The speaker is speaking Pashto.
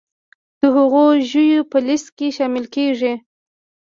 د هغو ژویو په لیست کې شامل کړي